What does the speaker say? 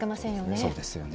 そうですよね。